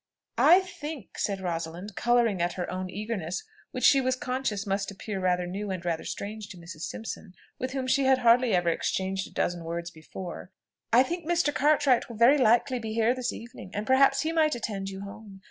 "I think," said Rosalind, colouring at her own eagerness, which she was conscious must appear rather new and rather strange to Mrs. Simpson, with whom she had hardly ever exchanged a dozen words before, "I think Mr. Cartwright will very likely be here this evening, and perhaps he might attend you home.